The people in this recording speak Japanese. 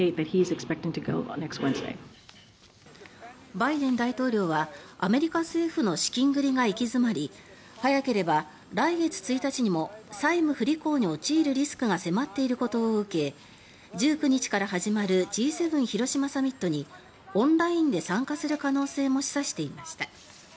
バイデン大統領はアメリカ政府の資金繰りが行き詰まり早ければ来月１日にも債務不履行に陥るリスクが迫っていることを受け１９日から始まるＧ７広島サミットにオンラインで参加する可能性も示唆していました。